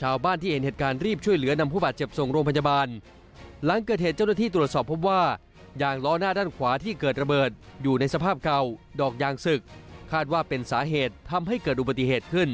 ชาวบ้านที่เห็นเหตุการณ์รีบช่วยเหลือนำผู้บาดเจ็บส่งโรงพยาบาลหลังเกิดเหตุเจ้าหน้าที่ตรวจสอบพบว่ายางล้อหน้าด้านขวาที่เกิดระเบิดอยู่ในสภาพเก่าดอกยางศึกคาดว่าเป็นสาเหตุทำให้เกิดอุบัติเหตุขึ้น